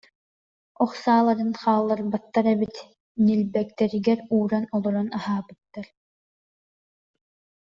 Ох сааларын хаалларбаттар эбит, ньилбэктэригэр ууран олорон аһаабыттар